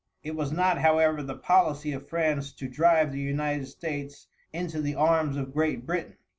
It was not, however, the policy of France to drive the United States into the arms of Great Britain.